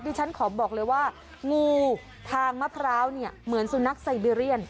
ฉันขอบอกเลยว่างูทางมะพร้าวเนี่ยเหมือนสุนัขไซเบเรียน